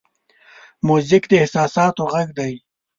موزیک د احساساتو غږ دی.